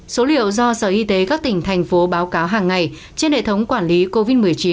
số liệu do sở y tế các tỉnh thành phố báo cáo hàng ngày trên hệ thống quản lý covid một mươi chín